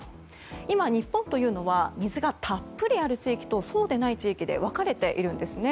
今、日本は水がたっぷりある地域とそうでない地域とで分かれているんですね。